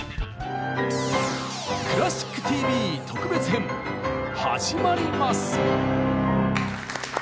「クラシックＴＶ」特別編始まります！